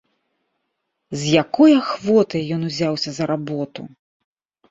З якой ахвотай ён узяўся за работу!